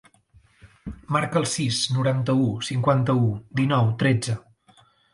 Marca el sis, noranta-u, cinquanta-u, dinou, tretze.